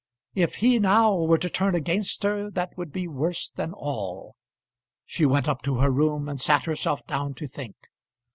If he now were to turn against her, that would be worse than all! She went up to her room and sat herself down to think.